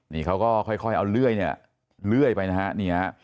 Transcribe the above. นี่เขาก็ค่อยเอาเลื่อยไปนะครับ